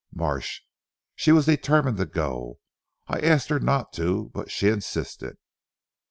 Marsh. "She was determined to go. I asked her not to, but she insisted."